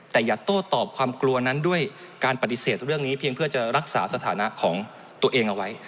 แต่อย่าโต้ตอบความกลัวนั้นด้วยการปฏิเสธเรื่องนี้เพียงเพื่อจะรักษาสถานะของตัวเองเอาไว้